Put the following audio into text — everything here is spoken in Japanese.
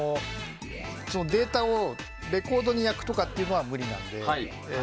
データをレコードに焼くとかというのは無理なので。